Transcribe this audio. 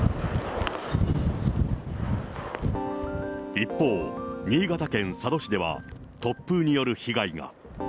一方、新潟県佐渡市では、突風による被害が。